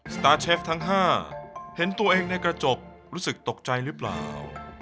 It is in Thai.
สตาร์เชฟทั้ง๕เห็นตัวเองในกระจกรู้สึกตกใจหรือเปล่า